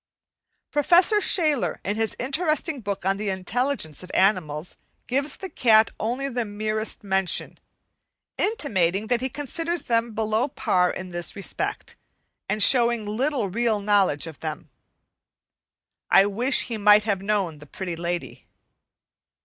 Professor Shaler in his interesting book on the intelligence of animals gives the cat only the merest mention, intimating that he considers them below par in this respect, and showing little real knowledge of them. I wish he might have known the Pretty Lady.